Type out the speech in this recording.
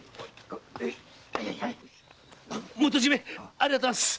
ありがとうございます！